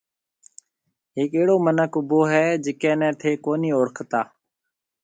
هيڪ اهڙو مِنک اُڀو هيَ جڪَي نَي ٿَي ڪونهي اوݪکتا۔